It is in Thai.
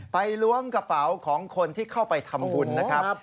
ล้วงกระเป๋าของคนที่เข้าไปทำบุญนะครับ